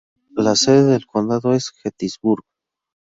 La sede del condado es Gettysburg.